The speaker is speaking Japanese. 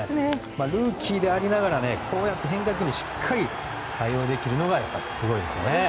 ルーキーでありながらこうやって変化球にしっかり対応できるのがやっぱりすごいですよね。